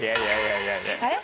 あれ？